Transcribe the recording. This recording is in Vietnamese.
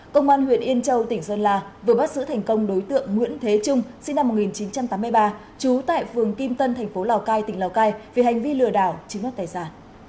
công an huyện yên châu tỉnh sơn la vừa bắt giữ thành công đối tượng nguyễn thế trung sinh năm một nghìn chín trăm tám mươi ba trú tại phường kim tân thành phố lào cai tỉnh lào cai vì hành vi lừa đảo chiếm đất tài sản